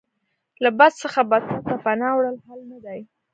له بد څخه بدتر ته پناه وړل حل نه دی.